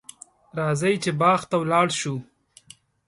راځه چې باغ ته ولاړ شو.